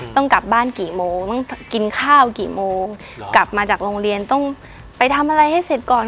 ต้องกลับบ้านกี่โมงต้องกินข้าวกี่โมงกลับมาจากโรงเรียนต้องไปทำอะไรให้เสร็จก่อน